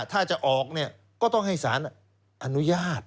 ถ้าจะออกก็ต้องให้สารอนุญาต